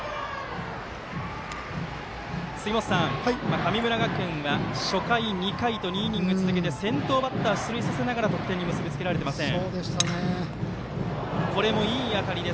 神村学園は初回、２回と２イニング続けて先頭バッター出塁させながら得点に結び付けられていません。